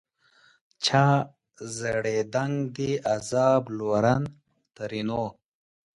چا ژړېدنک دي عذاب لورن؛ ترينو